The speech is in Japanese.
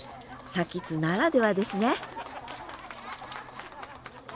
津ならではですね！